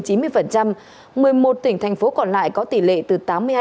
một mươi một tỉnh thành phố còn lại có tỷ lệ từ tám mươi hai